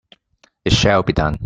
It shall be done!